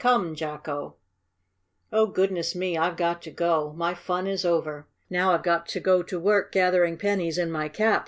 Come, Jacko!" "Oh, goodness me! I've got to go. My fun is over! Now I've got to go to work gathering pennies in my cap!"